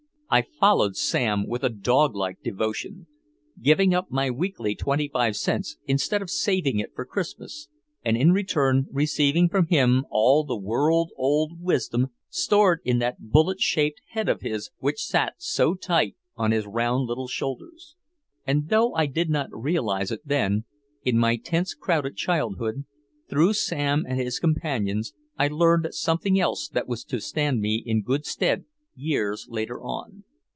I followed Sam with a doglike devotion, giving up my weekly twenty five cents instead of saving it for Christmas, and in return receiving from him all the world old wisdom stored in that bullet shaped head of his which sat so tight on his round little shoulders. And though I did not realize it then, in my tense crowded childhood, through Sam and his companions I learned something else that was to stand me in good stead years later on.